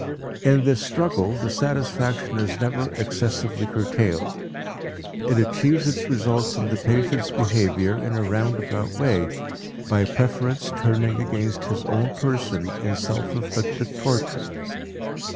In this struggle, the satisfaction is never excessively curtailed; it achieves its results in the patient's behavior in a roundabout way, by preference turning against his own person in self inflicted torture.